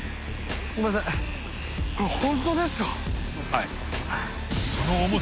はい。